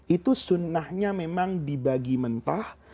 itu sunnahnya memang dibagi mentah